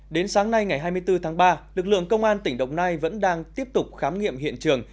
đến sáng nay ngày hai mươi bốn tháng ba lực lượng công an tỉnh đồng nai vẫn đang tiếp tục khám nghiệm hiện trường